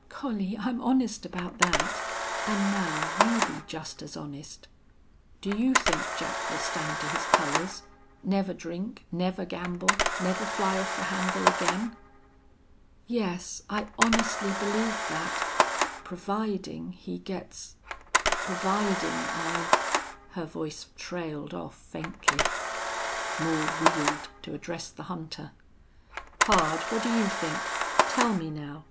"Collie, I'm honest about that. And now you be just as honest. Do you think Jack will stand to his colors? Never drink never gamble never fly off the handle again?" "Yes, I honestly believe that providing he gets providing I " Her voice trailed off faintly. Moore wheeled to address the hunter. "Pard, what do you think? Tell me now.